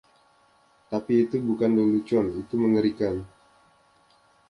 Tapi itu bukan lelucon - itu mengerikan.